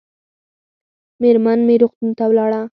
مېرمن مې روغتون ته ولاړه